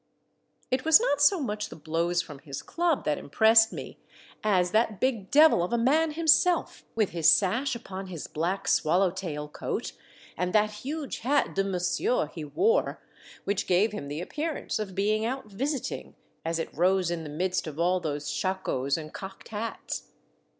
It was not so much the blows from his club that impressed me as that big devil of a man himself, with his sash upon his black swallow tail coat and that huge hat de monsieur he wore, which gave him the appearance of being out visiting, as it rose in the midst of all those shakos and cocked hats.